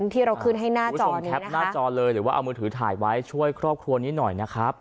ที่เราขึ้นให้หน้าจอนี้นะคะ